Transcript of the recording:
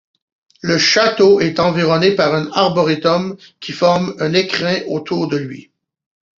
Le château est environné par un arboretum qui forme un écrin autour de lui.